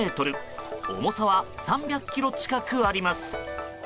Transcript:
重さは３００ｋｇ近くあります。